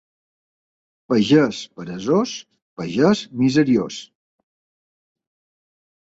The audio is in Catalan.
Pagès peresós, pagès miseriós.